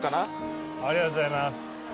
ありがとうございます。